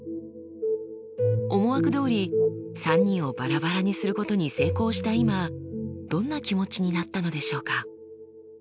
思惑どおり３人をバラバラにすることに成功した今どんな気持ちになったのでしょうか？